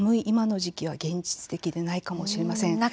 今の時期は現実的でないかもしれません。